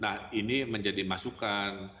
nah ini menjadi masukan